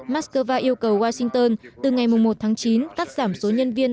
mắc cơ va yêu cầu washington từ ngày một tháng chín tắt giảm số nhân viên